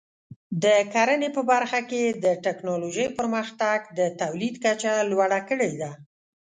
د کرنې په برخه کې د ټکنالوژۍ پرمختګ د تولید کچه لوړه کړې ده.